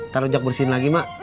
ntar ojak bersihin lagi emak